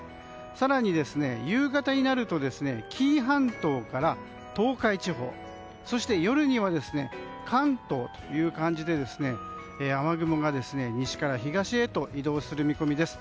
更に夕方になると紀伊半島から東海地方そして夜には関東という感じで雨雲が西から東へと移動する見込みです。